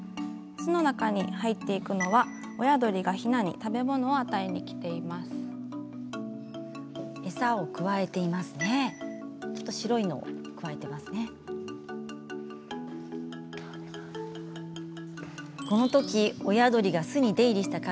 巣の中に入っていくのは親鳥がひなに食べ物を与えているところです。